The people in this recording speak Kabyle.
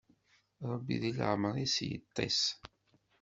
Ṛebbi di leɛmeṛ-is yeṭṭis.